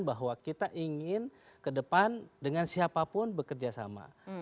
bahwa kita ingin kedepan dengan siapapun bekerja sama